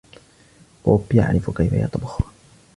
بوب يعرف كيف يطبخ.